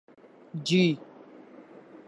جی ہاں بالکل کر سکتے ہیں ۔